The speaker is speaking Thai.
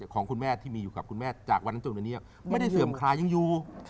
ของคุณแม่ที่มีอยู่กับคุณแม่จากวันนั้นจนวันนี้ไม่ได้เสื่อมคลายยังอยู่